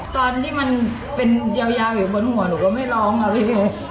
ตอนที่มันเป็นยาวอยู่บนหัวหนูก็ไม่ร้องอะพี่